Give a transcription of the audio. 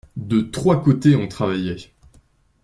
De trois côtés on travaillait.